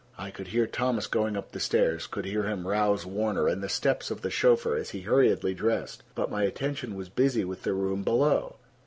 I could hear Thomas going up the stairs, could hear him rouse Warner, and the steps of the chauffeur as he hurriedly dressed. But my attention was busy with the room below.